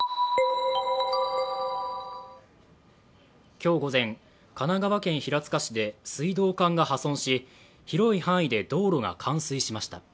今日午前、神奈川県平塚市で水道管が破損し広い範囲で道路が冠水しました。